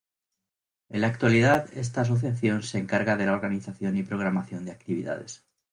En la actualidad esta Asociación se encarga de la organización y programación de actividades.